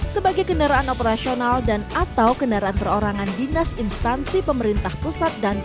sebagai kendaraan operasional dan atau kendaraan perorangan dinas instansi pemerintah pusat dan daerah